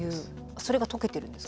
それが解けてるんですか？